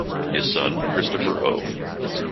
His son, Christopher O.